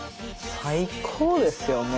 最高ですよ